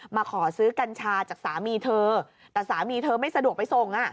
มาขอซื้อกัญชาจากสามีเธอแต่สามีเธอไม่สะดวกไปส่ง